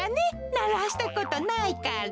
ならしたことないから。